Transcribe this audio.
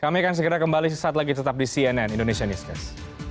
kami akan segera kembali saat lagi tetap di cnn indonesian news